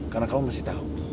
karena kamu pasti tahu